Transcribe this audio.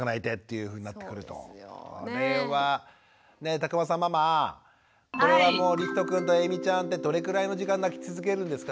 田熊さんママこれはりひとくんとえいみちゃんってどれくらいの時間泣き続けるんですか？